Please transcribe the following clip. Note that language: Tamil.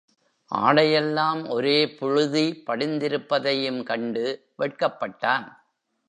ஆடையெல்லாம் ஒரே புழுதி படிந்திருப்பதையும் கண்டு வெட்கப்பட்டான்.